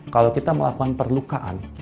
kalau kita melakukan perlukaan